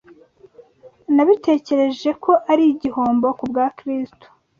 nabitekereje ko ari igihombo ku bwa Kristo